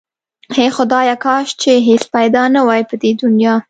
هی خدایا کاش چې هیڅ پیدا نه واي په دی دنیا